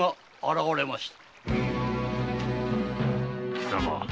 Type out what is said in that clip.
貴様